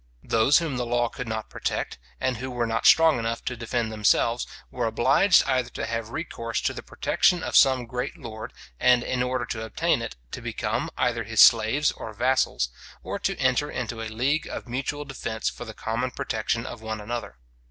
Those whom the law could not protect, and who were not strong enough to defend themselves, were obliged either to have recourse to the protection of some great lord, and in order to obtain it, to become either his slaves or vassals; or to enter into a league of mutual defence for the common protection of one another.